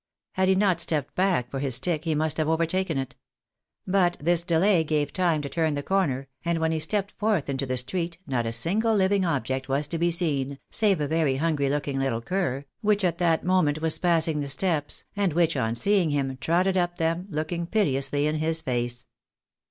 Had he not stepped back for his stick he must have overtaken it ; but this delay gave time to turn the corner, and when he stepped forth into the street not a single living object was to be seen, save a very hungry looking littl ; cur, which at that moment was passing the steps, and which on seeing him trotted up them, looking piteously in his face.